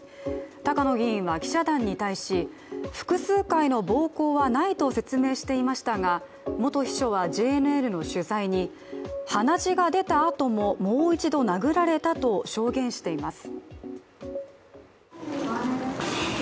高野議員は、記者団に対し複数回の暴行はないと説明していましたが元秘書はＪＮＮの取材に、鼻血が出たあとももう一度殴られたと証言しています。